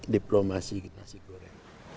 diplomasi kita sih goreng